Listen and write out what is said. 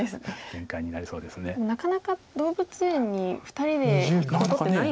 でもなかなか動物園に２人で行くことってないですよね。